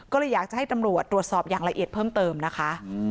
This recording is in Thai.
ก็เลยอยากจะให้ตำรวจตรวจสอบอย่างละเอียดเพิ่มเติมนะคะ